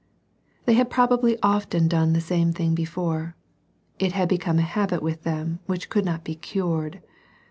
They had probably often done the same" thing before. It had become a habit with them which could not be cured.